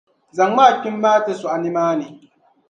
Zaŋm’ a kpim’ maa ti sɔɣi nimaani.